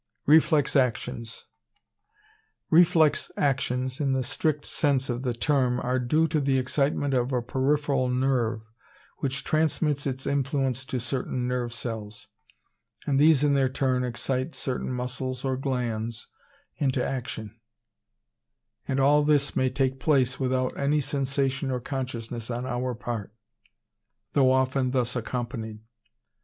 Reflex actions—Reflex actions, in the strict sense of the term, are due to the excitement of a peripheral nerve, which transmits its influence to certain nerve cells, and these in their turn excite certain muscles or glands into action; and all this may take place without any sensation or consciousness on our part, though often thus accompanied.